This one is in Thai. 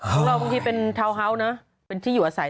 บางทีเราบางทีเป็นทาวน์เฮาส์นะเป็นที่อยู่อาศัย